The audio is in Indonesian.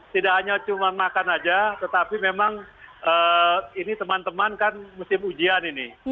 tidak hanya cuma makan saja tetapi memang ini teman teman kan musim ujian ini